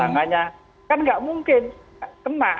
iya sudah nyebutmykan disuruh untuk le insanlar